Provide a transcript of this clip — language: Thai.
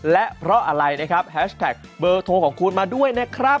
และเพราะอะไรนะครับแฮชแท็กเบอร์โทรของคุณมาด้วยนะครับ